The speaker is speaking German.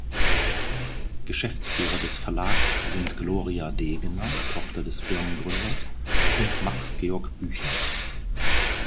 Geschäftsführer des Verlags sind Gloria Degener, Tochter des Firmengründers, und Max-Georg Büchner.